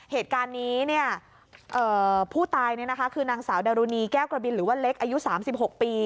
เหตุการณ์นี้ผู้ตายคือนางสาวดารุณีแก้วกระบินหรือว่าเล็กอายุ๓๖ปี